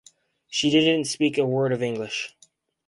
She didn't speak a word of English.